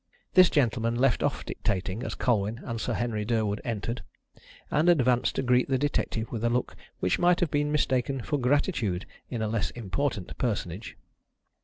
This gentleman left off dictating as Colwyn and Sir Henry Durwood entered, and advanced to greet the detective with a look which might have been mistaken for gratitude in a less important personage.